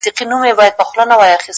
په وينو لژنده اغيار وچاته څه وركوي،